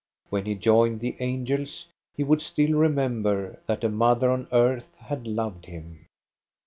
When he joined the angels, he would still remember that a mother on earth had loved him.